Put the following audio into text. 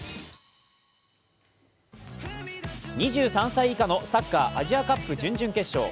２３歳以下のサッカーアジアカップ準々決勝。